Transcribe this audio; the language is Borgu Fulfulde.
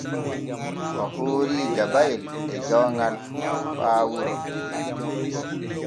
O hoori jabayel e jawŋal fu faa wuro.